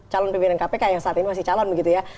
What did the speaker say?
calon pimpinan kpk yang saat ini masih calon begitu ya